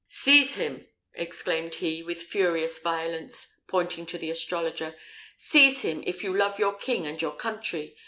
"Seize him!" exclaimed he, with furious violence, pointing to the astrologer; "seize him, if you love your king and your country!